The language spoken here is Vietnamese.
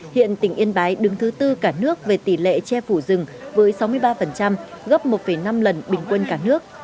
hiện tỉnh yên bái đứng thứ tư cả nước về tỷ lệ che phủ rừng với sáu mươi ba gấp một năm lần bình quân cả nước